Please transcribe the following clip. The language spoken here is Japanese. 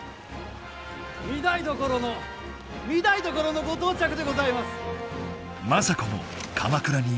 御台所の御台所のご到着でございます！